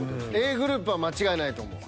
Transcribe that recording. Ａグループは間違いないと思う。